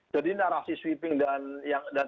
jadi narasi sweeping dan